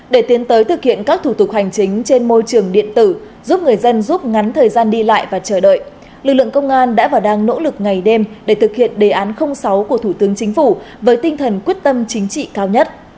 để tiến tới thực hiện các thủ tục hành chính trên môi trường điện tử giúp người dân giúp ngắn thời gian đi lại và chờ đợi lực lượng công an đã và đang nỗ lực ngày đêm để thực hiện đề án sáu của thủ tướng chính phủ với tinh thần quyết tâm chính trị cao nhất